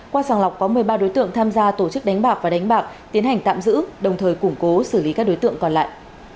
qua sàng lọc có một mươi ba đối tượng tham gia tổ chức đánh bạc và đánh bạc tiến hành tạm giữ đồng thời củng cố xử lý các đối tượng còn lại